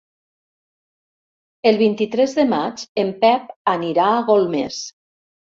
El vint-i-tres de maig en Pep anirà a Golmés.